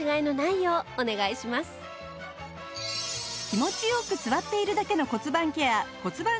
気持ちよく座っているだけの骨盤ケア骨盤